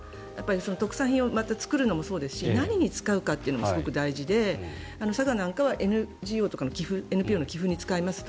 特産品を作るのもそうですし何に使うのかというのもすごく大事で佐賀なんかはＮＧＯ、ＮＰＯの寄付に使えますと。